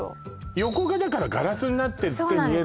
横がだからガラスになってて見えるんだ